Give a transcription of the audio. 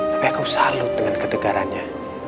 tapi aku salut dengan ketegarannya